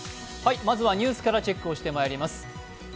まずはニュースからチェックをしてまいります。